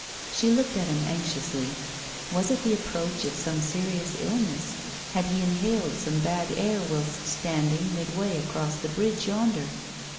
She looked at him anxiously; was it the approach of some serious illness, had he inhaled some bad air whilst standing midway across the bridge yonder?